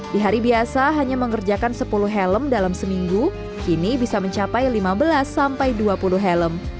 di hari biasa hanya mengerjakan sepuluh helm dalam seminggu kini bisa mencapai lima belas sampai dua puluh helm